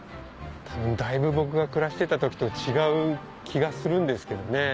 だいぶ僕が暮らしてた時と違う気がするんですけどね。